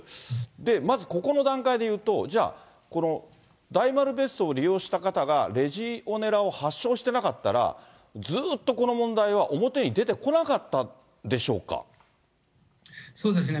まず、ここの段階でいうと、じゃあ、この大丸別荘を利用した方がレジオネラを発症していなかったら、ずっとこの問題は表に出てこなかっそうですね、